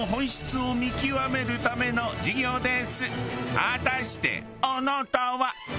果たしてあなたは？